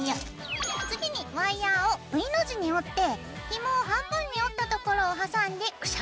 次にワイヤーをＶの字に折ってひもを半分に折ったところをはさんでクシャクシャにするよ。